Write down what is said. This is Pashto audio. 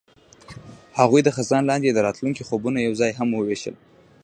هغوی د خزان لاندې د راتلونکي خوبونه یوځای هم وویشل.